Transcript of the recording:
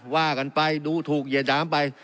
ว่ากันไปดูถูกเหยียดหยามไป